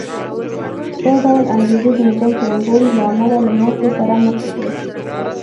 دا ډول انګېزې د نظام څرنګوالي له امله له ماتې سره مخ شوې